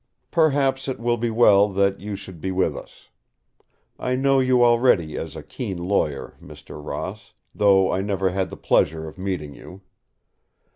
Perhaps it will be well that you should be with us. I know you already as a keen lawyer, Mr. Ross, though I never had the pleasure of meeting you.